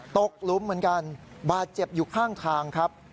หลุมเหมือนกันบาดเจ็บอยู่ข้างทางครับ